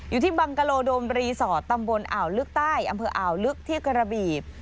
อยู่ที่บังกะโลโดมรีสอร์ทตำบลอ่าวลึกใต้อำเภออ่าวลึกที่กระบี